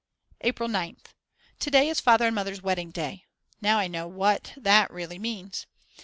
April 9th. To day is Father and Mother's wedding day. Now I know what that really means.